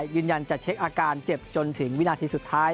ยืนยันจะเช็คอาการเจ็บจนถึงวินาทีสุดท้าย